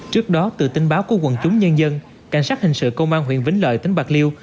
trước đó từ tin báo của quần chúng nhân dân cảnh sát hình sự công an huyện vĩnh lợi tỉnh bạc liêu